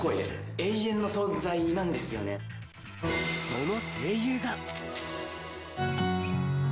その声優が。